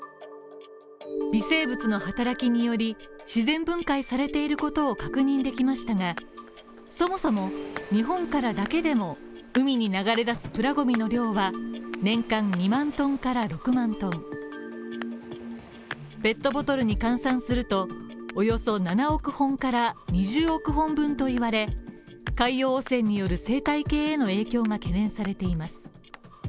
微生物の働きにより、自然分解されていることを確認できましたがそもそも日本からだけでも海に流れ出すプラゴミの量は年間２万ｔから６万ｔペットボトルに換算するとおよそ７億本から２０億本分と言われ、海洋汚染による生態系への影響が懸念されています。